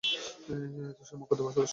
সে মক্কাতেই বাস করত।